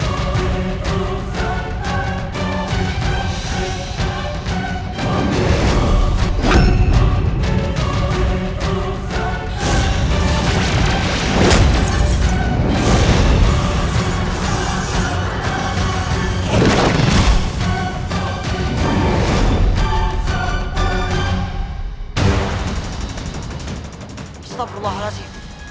assalamualaikum warahmatullahi wabarakatuh